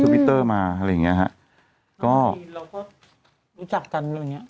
เราก็รู้จักกัน